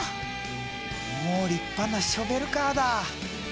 もう立派なショベルカーだ！